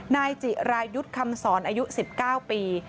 นายจิรายุทธ์คำสอนอายุ๑๙ปี